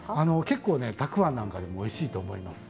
結構ねたくあんなんかでもおいしいと思います。